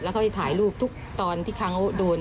แล้วเขาจะถ่ายรูปทุกตอนที่ครั้งเขาโดน